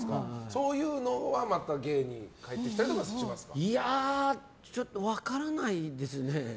そういうのは、また芸にいやー、分からないですね。